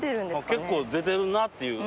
結構出てるなっていう。